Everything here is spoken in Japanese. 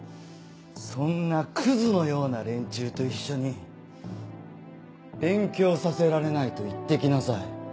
そんなクズのような連中と一緒に勉強させられないと言って来なさい。